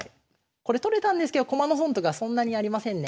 これ取れたんですけど駒の損得はそんなにありませんね。